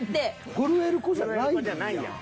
震える子じゃないやん。